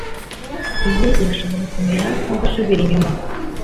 iyi irashobora kumera nkugusubira inyuma